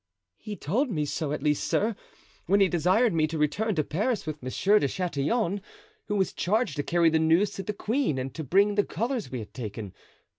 "He told me so, at least, sir, when he desired me to return to Paris with Monsieur de Chatillon, who was charged to carry the news to the queen and to bring the colors we had taken.